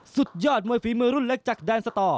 สุดยอดมวยฝีมือรุ่นเล็กจากแดนสตอร์